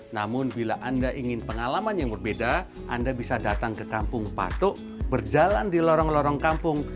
namun bila anda ingin pengalaman yang berbeda anda bisa datang ke kampung patok berjalan di lorong lorong kampung